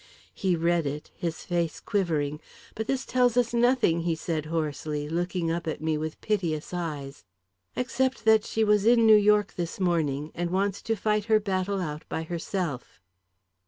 He read it, his face quivering. "But this tells us nothing," he said hoarsely, looking up at me with piteous eyes. "Except that she was in New York this morning and wants to fight her battle out by herself."